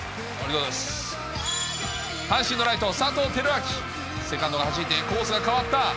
阪神のライト、佐藤輝明、セカンドがはじいてコースが変わった。